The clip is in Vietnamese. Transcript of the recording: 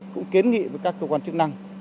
cũng kiến nghị với các cơ quan chức năng